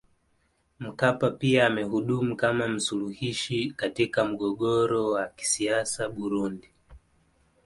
Mkapa pia amehudumu kama msuluhishi katika mgogoro wa kisiasa Burundi